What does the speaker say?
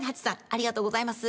ありがとうございます。